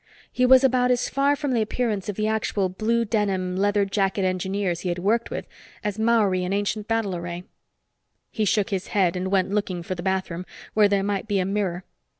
He was about as far from the appearance of the actual blue denim, leather jacket engineers he had worked with as Maori in ancient battle array. He shook his head and went looking for the bathroom, where there might be a mirror.